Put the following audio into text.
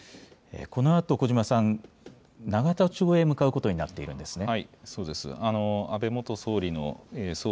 このあと小嶋さん、永田町へ向かうことになっているんですね。